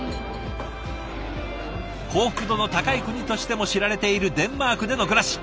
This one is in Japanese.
幸福度の高い国としても知られているデンマークでの暮らし。